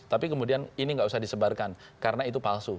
tapi kemudian ini nggak usah disebarkan karena itu palsu